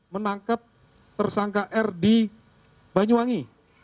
menangkap tersangka r di banyuwangi